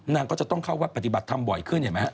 นางก็จะต้องเข้าวัดปฏิบัติทำบ่อยขึ้นเห็นไหม